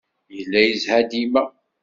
Yella yezha dima.